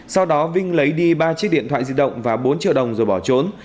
sau đó vinh lấy đi ba chiếc điện thoại di động và bốn triệu đồng rồi bỏ trốn